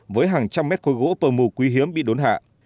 với hàng trăm mét khối gỗ pơ mù quý hiếm bị đốn hạ